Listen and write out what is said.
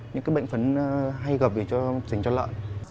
những cái bệnh phấn hay gặp dành cho lợn